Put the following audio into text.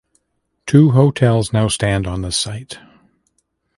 Two hotels now stand on the site.